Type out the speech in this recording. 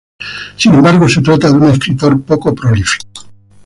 Sin embargo, se trata de un escritor poco prolífico.